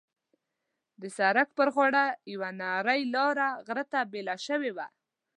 د سړک پر غاړه یوه نرۍ لاره غره ته بېله شوې وه.